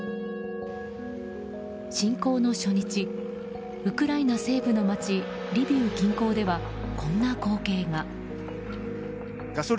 侵攻の初日、ウクライナ西部の街リビウ近郊では、こんな光景が。